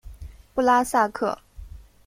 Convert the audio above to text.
布拉萨克。